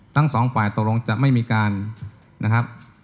ทั้งสองฝ่ายตกลงจะไม่มีการนะครับ